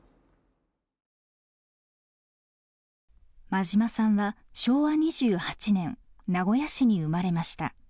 馬島さんは昭和２８年名古屋市に生まれました。